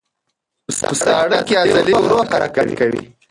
په ساړه کې عضلې ورو حرکت کوي.